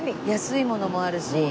安いものもあるし。